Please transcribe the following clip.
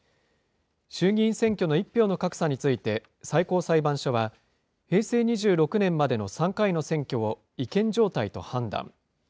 衆議院選挙の１票の格差について、最高裁判所は、平成２６年までの３回の選挙を違憲状態と判断。